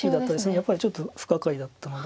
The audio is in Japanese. やっぱりちょっと不可解だったので。